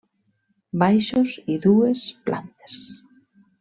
Baixos i dues plantes.